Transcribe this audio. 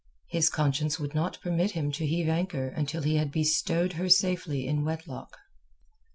His conscience would not permit him to heave anchor until he had bestowed her safely in wedlock.